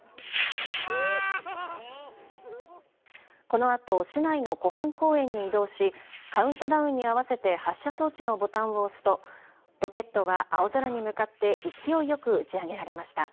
このあと市内の湖畔公園に移動しカウントダウンに合わせて発射装置のボタンを押すとロケットは青空に向かって勢いよく打ち上げられました。